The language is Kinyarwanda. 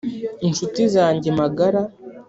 incuti zanjye magara